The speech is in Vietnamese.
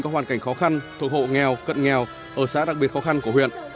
có hoàn cảnh khó khăn thuộc hộ nghèo cận nghèo ở xã đặc biệt khó khăn của huyện